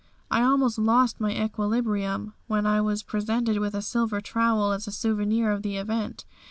I almost lost my equilibrium when I was presented with a silver trowel as a souvenir of the event.